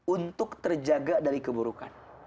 untuk terjaga dari keburukan